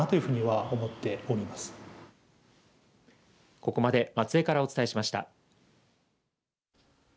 ここまで松江からお伝えしました。